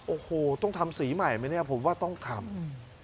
โอ้โหต้องทำสีใหม่ไหมเนี่ยผมว่าต้องทำ